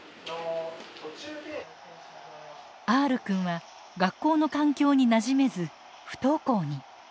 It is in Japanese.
Ｒくんは学校の環境になじめず不登校に。